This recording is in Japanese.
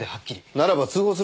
ならば通報するのが。